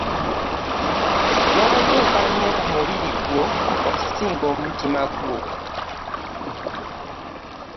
Lwaki ofa nnyo ku mubiri gw'okusinga omutima gwo?